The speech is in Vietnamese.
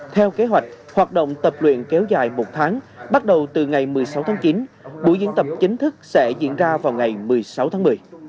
theo kế hoạch hoạt động tập luyện kéo dài một tháng bắt đầu từ ngày một mươi sáu tháng chín buổi diễn tập chính thức sẽ diễn ra vào ngày một mươi sáu tháng một mươi